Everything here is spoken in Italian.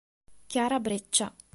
Chiara Breccia